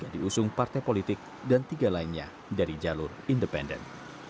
yang diusung partai politik dan tiga lainnya dari jalur independen